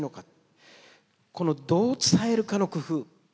このどう伝えるかの工夫。